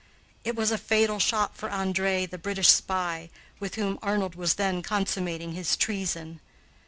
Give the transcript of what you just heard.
It was a fatal shot for André, the British spy, with whom Arnold was then consummating his treason.